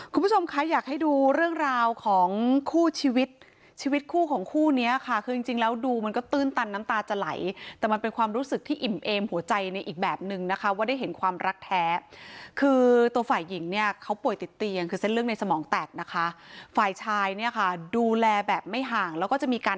คุณผู้ชมคะอยากให้ดูเรื่องราวของคู่ชีวิตชีวิตคู่ของคู่เนี้ยค่ะคือจริงจริงแล้วดูมันก็ตื้นตันน้ำตาจะไหลแต่มันเป็นความรู้สึกที่อิ่มเอมหัวใจในอีกแบบนึงนะคะว่าได้เห็นความรักแท้คือตัวฝ่ายหญิงเนี่ยเขาป่วยติดเตียงคือเส้นเลือดในสมองแตกนะคะฝ่ายชายเนี่ยค่ะดูแลแบบไม่ห่างแล้วก็จะมีการ